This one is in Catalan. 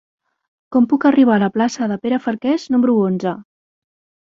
Com puc arribar a la plaça de Pere Falqués número onze?